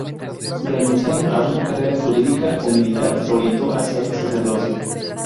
Renunciando a una carrera jurídica o militar, se orientó hacia el sacerdocio.